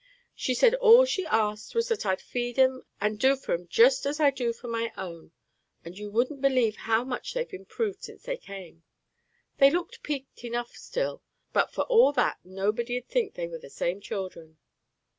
She said all she asked was that I'd feed 'em and do for 'em just as I do for my own; and you wouldn't believe how much they've improved since they came. They look peaked enough still, but for all that nobody'd think that they were the same children."